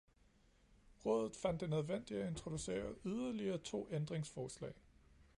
Rådet fandt det nødvendigt at introducere yderligere to ændringsforslag.